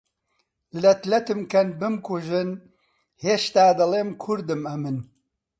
لەت لەتم کەن، بمکوژن، هێشتا دەڵێم کوردم ئەمن